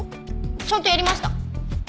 ちゃんとやりました。